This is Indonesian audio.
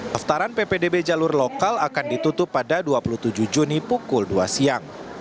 peftaran ppdb jalur lokal akan ditutup pada dua puluh tujuh juni pukul dua siang